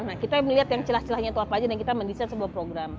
nah kita melihat yang celah celahnya itu apa aja dan kita mendesain sebuah program